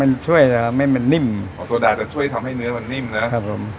โซดาจะช่วยทำให้เนื้อมันนิ่มเนอะครับผม